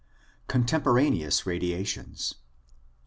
Contemporaneous Radiations.